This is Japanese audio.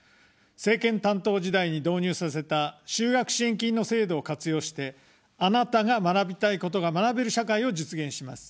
政権担当時代に導入させた就学支援金の制度を活用して、あなたが学びたいことが学べる社会を実現します。